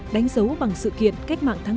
đánh dấu bằng sự kiện cách mạng tháng tám